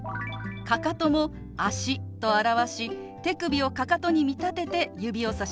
かかとも「足」と表し手首をかかとに見立てて指をさします。